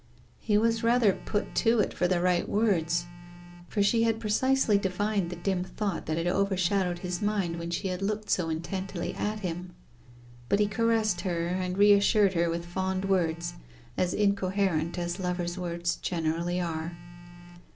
He was rather put to it for the right words, for she had precisely divined the dim thought that had overshadowed his mind when she had looked so intently at him. But he caressed her, and reassured her with fond words, as incoherent as lovers' words generally are.